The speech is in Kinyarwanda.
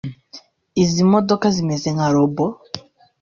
Izi modoka zimeze nka robo